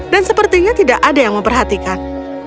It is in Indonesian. dan sepertinya tidak ada yang memperhatikan